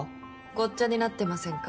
ごっちゃになってませんか？